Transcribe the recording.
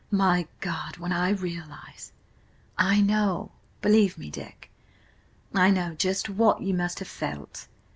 "My God, when I realise—" "I know. Believe me, Dick, I know just what you must have felt.